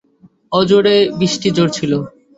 অঝোরে বৃষ্টি ঝরছিল।